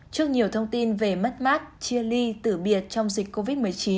trước nhiều thông tin về mất mát chia ly tử biệt trong dịch covid một mươi chín